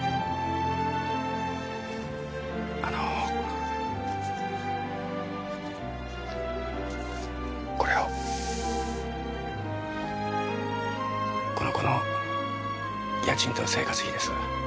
あのこれをこの子の家賃と生活費です